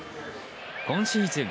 今シーズン